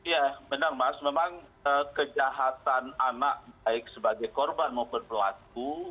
ya benar mas memang kejahatan anak baik sebagai korban maupun pelaku